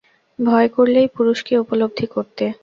ভয় করলেই পুরুষকে উপলব্ধি করতে।